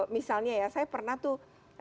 misalnya ya saya pernah tuh